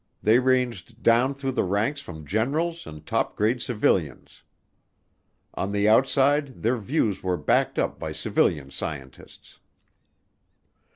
They ranged down through the ranks from generals and top grade civilians. On the outside their views were backed up by civilian scientists.